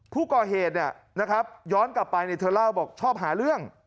ผู้ก่อเหตุย้อนกลับไปเธอเล่าบอกชอบหาเรื่อง